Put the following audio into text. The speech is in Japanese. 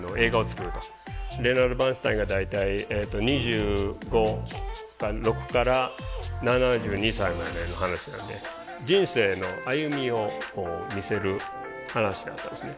レナード・バーンスタインが大体２５か６から７２歳までの話なんで人生の歩みをこう見せる話だったんですね。